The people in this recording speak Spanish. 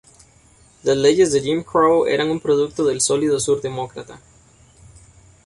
Las leyes de Jim Crow eran un producto del "Sólido Sur" demócrata.